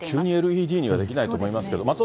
急にＬＥＤにはできないと思いますけど。